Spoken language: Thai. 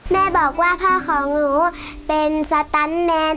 แม่บอกว่าพ่อของหนูเป็นสตันแนน